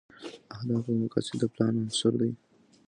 اهداف او مقاصد د پلان عناصر دي.